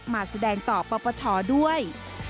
มาแสดงต่อปปชด้วย